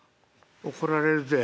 怒られるで。